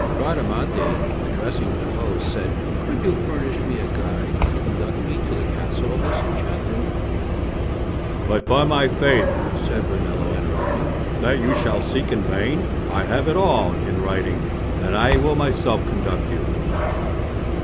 Bradamante, addressing the host, said, "Could you furnish me a guide to conduct me to the castle of this enchanter?" "By my faith," said Brunello, interrupting, "that you shall not seek in vain; I have it all in writing, and I will myself conduct you."